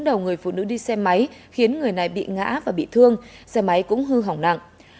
đầu người phụ nữ đi xe máy khiến người này bị ngã và bị thương xe máy cũng hư hỏng nặng